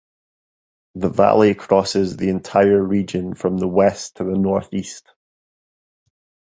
The valley crosses the entire region from the west to the northeast.